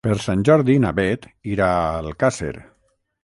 Per Sant Jordi na Beth irà a Alcàsser.